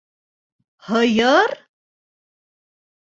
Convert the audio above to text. Һыйыр?!